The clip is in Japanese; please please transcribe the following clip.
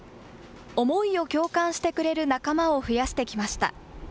思いを共感してくれる仲間を増やしてきました。